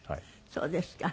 そうですか。